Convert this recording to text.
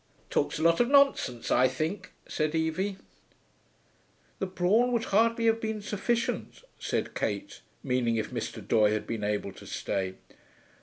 'Talks a lot of nonsense, I think,' said Evie. 'The brawn would hardly have been sufficient,' said Kate, meaning if Mr. Doye had been able to stay.